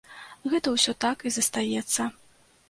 Гэта ўсё так і застаецца.